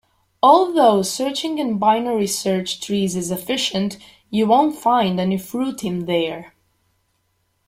Although searching in binary search trees is efficient, you won't find any fruit in there.